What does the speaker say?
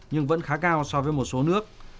nhưng vẫn khá cao so với một số nước